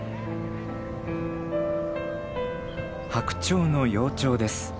ハクチョウの幼鳥です。